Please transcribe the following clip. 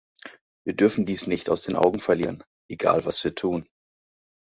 Wir dürfen dies nicht aus den Augen verlieren, egal was wir tun.